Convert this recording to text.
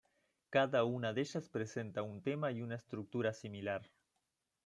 Cada una de ellas presenta un tema y una estructura similar.